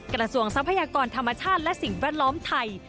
กระทรวงทรัพยากรธรรมชาติและสิ่งแวดล้อมไทย